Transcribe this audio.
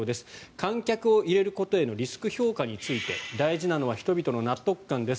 観客を入れることへのリスク評価について大事なのは人々の納得感です。